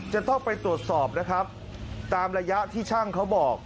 จะต้องไปตรวจสอบนะครับตามระยะที่ช่างเขาบอก